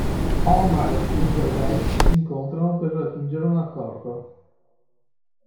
Omar e Stringer Bell si incontrano per raggiungere un accordo.